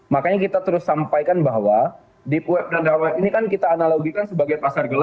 makanya kita terus sampaikan bahwa deep web dan dark web ini kan kita analogikan sebagai pasar gelap di dunia nyata